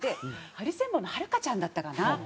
ハリセンボンのはるかちゃんだったかな？